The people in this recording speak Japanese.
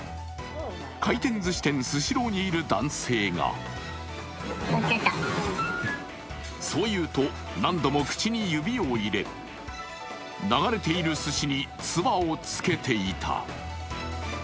回転ずし店スシローにいる男性がそう言うと、何度も口に指を入れ流れているすしにつばをつけていた。